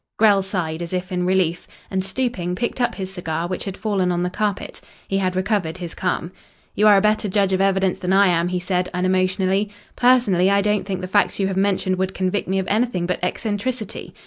Grell sighed as if in relief, and, stooping, picked up his cigar, which had fallen on the carpet. He had recovered his calm. "You are a better judge of evidence than I am," he said unemotionally. "Personally, I don't think the facts you have mentioned would convict me of anything but eccentricity.